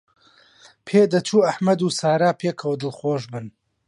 پێدەچوو ئەحمەد و سارا پێکەوە دڵخۆش بن.